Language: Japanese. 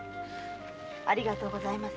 ありがとうございます。